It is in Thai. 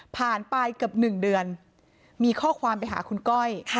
ไปเกือบ๑เดือนมีข้อความไปหาคุณก้อย